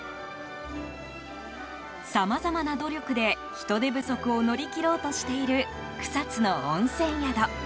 さまざまな努力で、人手不足を乗り切ろうとしている草津の温泉宿。